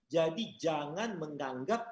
jadi jangan menganggap